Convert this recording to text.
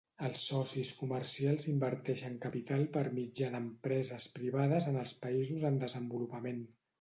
Els socis comercials inverteixen capital per mitjà d'empreses privades en els països en desenvolupament.